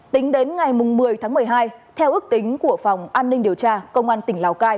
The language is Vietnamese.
tính đến ngày một mươi tháng một mươi hai theo ước tính của phòng an ninh điều tra công an tỉnh lào cai